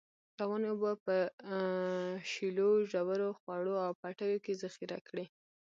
روانې اوبه په په شیلو، ژورو، خوړو او پټیو کې ذخیره کړی.